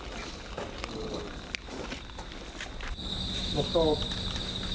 黙とう。